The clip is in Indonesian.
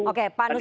oke pak nusirwan